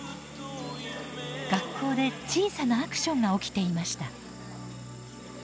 学校で小さなアクションが起きていました。